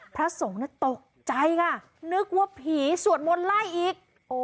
พระสงฆ์ตกใจค่ะนึกว่าผีสวดมนต์ไล่อีก